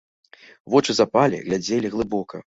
Вочы запалі, глядзелі глыбока.